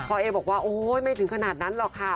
พ่อเอะบอกว่าไม่ถึงขนาดนั้นหรอกค่ะ